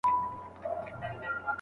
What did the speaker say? ساینس پوهان وايي چې دا بدلون پاتې کېږي.